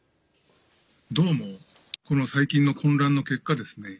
どうもこの最近の混乱の結果ですね。